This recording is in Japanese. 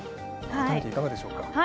改めていかがでしょうか。